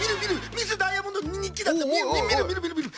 ミス・ダイヤモンドのにっきみみみるみるみるみる